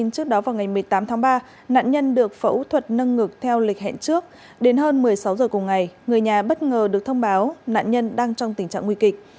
sau một mươi sáu h cùng ngày người nhà bất ngờ được thông báo nạn nhân đang trong tình trạng nguy kịch